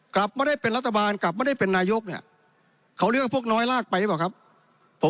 กลับไม่ได้เป็นรัฐบาลกลับไม่ได้เป็นนายกเนี่ยเขาเลือกพวกน้อยลากไปหรือเปล่าครับ